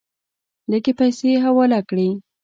لږې پیسې حواله کړې.